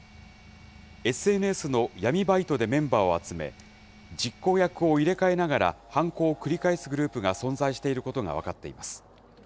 ＳＮＳの闇バイトでメンバーを集め、実行役を入れ替えながら犯行を繰り返すグループが存在していることが分かっています。